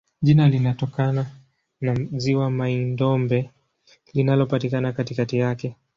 Jina linatokana na ziwa Mai-Ndombe linalopatikana katikati yake.